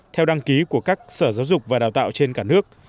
theo đăng ký của các sở giáo dục và đào tạo trên cả nước